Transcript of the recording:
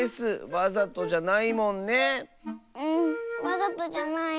うんわざとじゃない。